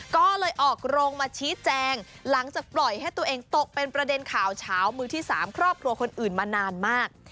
ก็เลยออกโรงมาชี้แจงหลังจากปล่อยให้ตัวเองตกเป็นประเด็นข่าวเฉามือที่๓ครอบครัวคนอื่นมานานมาก